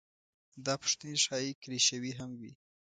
دا پوښتنې ښايي کلیشوي هم وي.